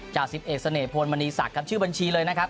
จากสิบเอ็กซ์เสน่ห์พวนมณีศักดิ์ชื่อบัญชีเลยนะครับ